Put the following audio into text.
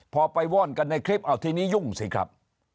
พอไปว่อนกันในคลิปเอาทีนี้ยุ่งสิครับ